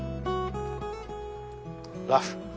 ラフ。